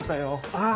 ああ。